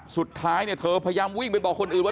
สุดท้ายเนี่ยเธอพยายามวิ่งไปบอกคนอื่นว่า